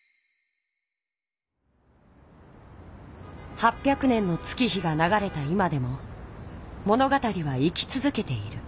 ８００年の月日がながれた今でも物語は生きつづけている。